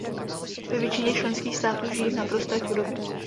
Ve většině členských států žijí v naprosté chudobě.